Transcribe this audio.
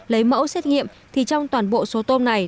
lấy mẫu xét nghiệm thì trong toàn bộ số tôm này